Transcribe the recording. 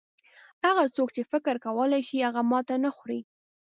هغه څوک چې فکر کولای شي هغه ماته نه خوري.